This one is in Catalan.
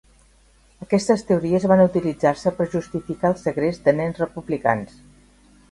Aquestes teories van utilitzar-se per justificar el segrest de nens republicans.